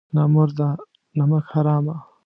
نامرده نمک حرامه!